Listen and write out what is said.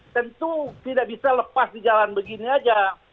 tentu tidak bisa lepas di jalan begini saja